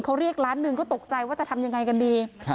เขาเรียกล้านหนึ่งก็ตกใจว่าจะทำยังไงกันดี